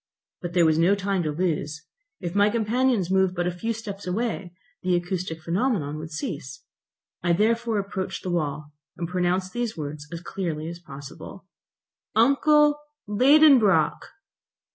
But there was no time to lose. If my companions moved but a few steps away, the acoustic phenomenon would cease. I therefore approached the wall, and pronounced these words as clearly as possible: "Uncle Liedenbrock!"